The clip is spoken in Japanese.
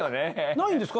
ないんですか？